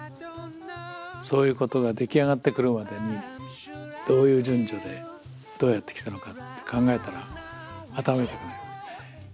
そういうことが出来上がってくるまでにどういう順序でどうやってきたのかって考えたら頭痛くなります。